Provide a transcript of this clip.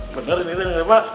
bener ini tuh yang reva